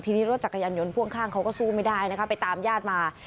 ทีนี้รถจักรยานยนต์พ่วงข้างเขาก็สู้ไม่ได้นะคะไปตามญาติมา